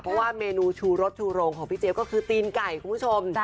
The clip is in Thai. เพราะว่าเมนูชูรสชูโรงของพี่เจี๊ยก็คือตีนไก่คุณผู้ชม